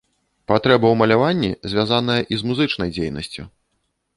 Патрэба ў маляванні звязаная і з музычнай дзейнасцю.